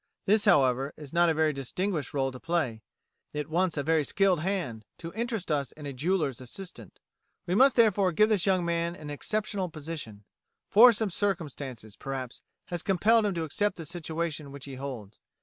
This, however, is not a very distinguished rôle to play; it wants a very skilled hand to interest us in a jeweller's assistant. ... We must therefore give this young man an exceptional position. Force of circumstances, perhaps, has compelled him to accept the situation which he holds.